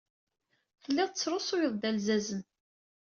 Tellid tesrusuyed-d alzazen.